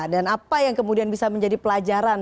dan apa yang kemudian bisa menjadi pelajaran